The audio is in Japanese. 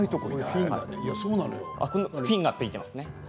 フィンがついていますね。